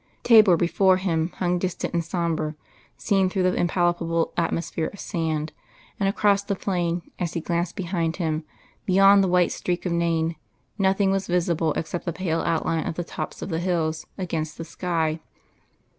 Thabor, before him, hung distant and sombre seen through the impalpable atmosphere of sand, and across the plain, as he glanced behind him, beyond the white streak of Nain nothing was visible except the pale outline of the tops of the hills against the sky.